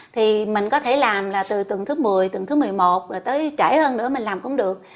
thì mình có thể làm là từ tuần thứ một mươi tuần thứ một mươi một rồi tới trễ hơn nữa mình làm cũng được